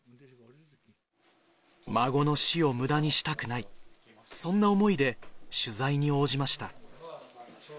孫の死をむだにしたくない、そんな思いで、取材に応じました。